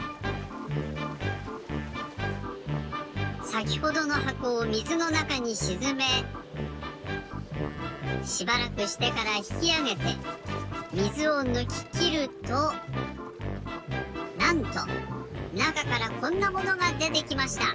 さきほどのはこをみずのなかにしずめしばらくしてからひきあげてみずをぬききるとなんとなかからこんなものがでてきました！